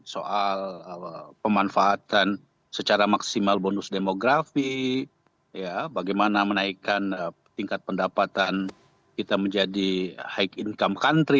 soal pemanfaatan secara maksimal bonus demografi bagaimana menaikkan tingkat pendapatan kita menjadi high income country